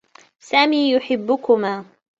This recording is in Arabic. سامي يحبّكما.